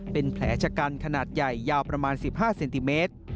เป็นแผลชะกันขนาดใหญ่ยาวประมาณ๑๕เซนติเมตร